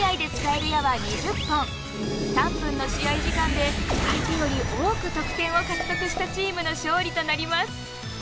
３分の試合時間で相手より多く得点を獲得したチームの勝利となります。